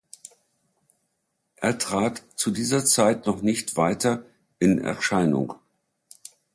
Er trat zu dieser Zeit noch nicht weiter in Erscheinung.